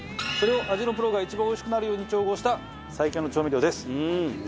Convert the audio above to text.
それを味のプロが一番おいしくなるように調合した最強の調味料です。